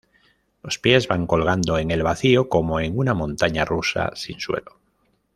Los pies van colgando en el vacío como en una montaña rusa sin suelo.